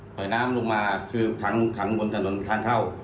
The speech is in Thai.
ยน้ำลงมาคือขังบนถนนทางเข้า